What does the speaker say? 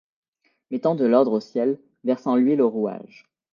Mettant de l’ordre au ciel, versant l’huile aux rouages